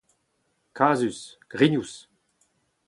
Kazus, grignous.